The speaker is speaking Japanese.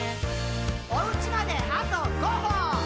「おうちまであと５歩！」